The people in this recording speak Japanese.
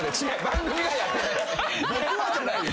「僕は」じゃないよ。